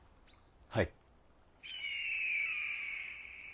はい。